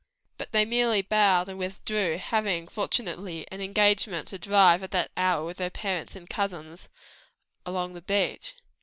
But they merely bowed and withdrew, having, fortunately, an engagement to drive, at that hour, with their parents and cousins, along the beach.